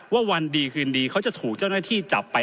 วันดีคืนดีเขาจะถูกเจ้าหน้าที่จับไป